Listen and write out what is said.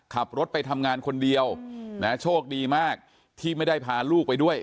ขับรถไปทำงานคนเดียวนะโชคดีมากที่ไม่ได้พาลูกไปด้วย